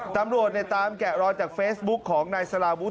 ตำรวจตามแกะรอยจากเฟซบุ๊กของนายสลาวุฒิ